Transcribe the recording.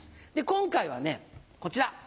今回はねこちら。